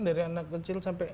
dari anak kecil sampai